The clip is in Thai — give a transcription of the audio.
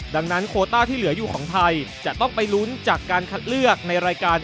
ดังนั้นโคต้าที่เหลืออยู่ของไทยจะต้องไปลุ้นจากการคัดเลือกในรายการ